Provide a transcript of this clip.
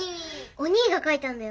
おにぃが描いたんだよ。